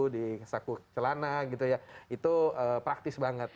di saku celana gitu ya itu praktis banget